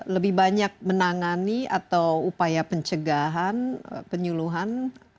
lebih banyak menangani atau upaya pencegahan penyuluhan